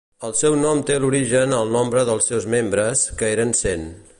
El seu nom té l'origen al nombre dels seus membres, que eren cent.